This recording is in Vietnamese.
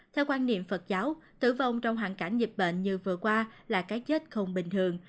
theo quan niệm phật giáo tử vong trong hoàn cảnh dịch bệnh như vừa qua là cái chết không bình thường